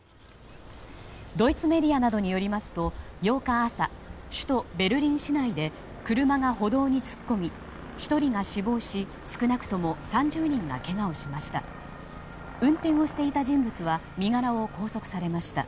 ドイツメディアなどによりますと８日朝首都ベルリン市内で車が歩道に突っ込み１人が死亡し、少なくとも３０人がけがをしました。